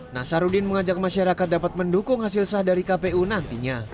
nasaruddin mengajak masyarakat dapat mendukung hasil sah dari kpu nantinya